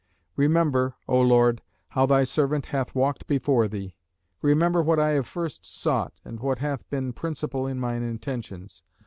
"Remember (O Lord) how thy servant hath walked before thee; remember what I have first sought, and what hath been principal in mine intentions.